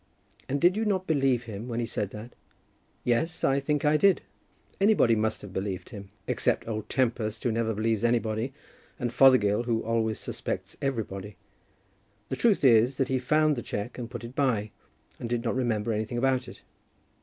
"And did you not believe him when he said that?" "Yes, I think I did." "Anybody must have believed him, except old Tempest, who never believes anybody, and Fothergill, who always suspects everybody. The truth is, that he had found the cheque and put it by, and did not remember anything about it."